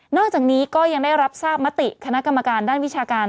อกจากนี้ก็ยังได้รับทราบมติคณะกรรมการด้านวิชาการ